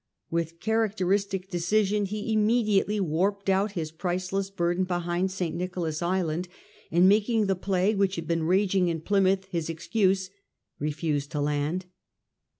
With characteristic decision he immediately warped out his priceless burden behind St. Nicholas Island, and making the plague which had been raging in Plymouth his excuse, refused to land.